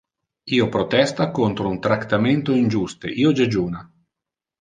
Io protesta contra un tractamento injuste, io jejuna.